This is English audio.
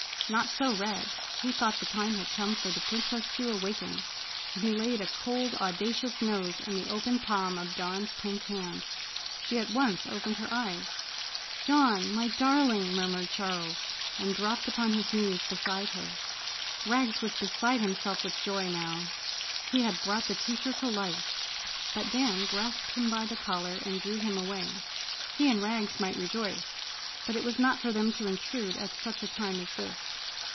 Not so Rags. He thought the time had come for the princess to awaken and he laid a cold, audacious nose in the open palm of Dawn's pink hand. She at once opened her eyes. "Dawn! My darling!" murmured Charles, and dropped upon his knees beside her. Rags was beside himself with joy now. He had brought the teacher to life. But Dan grasped him by the collar and drew him away. He and Rags might rejoice, but it was not for them to intrude at such a time as this.